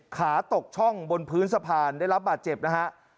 ขาตกช่องบนพื้นสะพานได้รับบาดเจ็บนะฮะ